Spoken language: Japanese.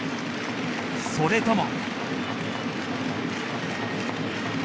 それとも。